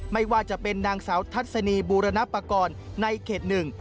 ไม่ว่าจะเป็นนางสาวทัศนีบูรณปากรในเขตหนึ่ง